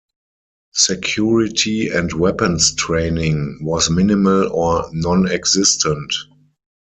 Security and weapons training was minimal or nonexistent.